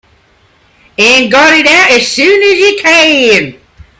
And got it out as soon as you can.